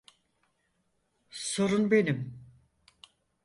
Sorun benim.